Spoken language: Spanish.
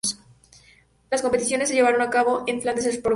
Las competiciones se llevaron a cabo en el Flanders Sport Hall.